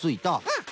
うん。